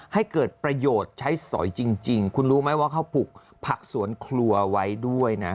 ให้เกิดประโยชน์ใช้สอยจริงคุณรู้ไหมว่าเขาปลูกผักสวนครัวไว้ด้วยนะ